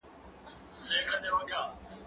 زه اوږده وخت موبایل کاروم!؟